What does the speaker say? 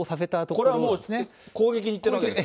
これはもう、攻撃にいってるんですね。